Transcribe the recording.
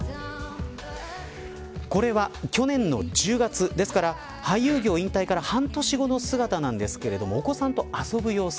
これは、去年の１０月ですから、俳優業引退から半年後の姿なんですけれどもお子さんと遊ぶ様子。